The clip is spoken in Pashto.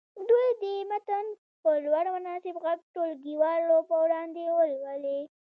دوی دې متن په لوړ مناسب غږ ټولګیوالو په وړاندې ولولي.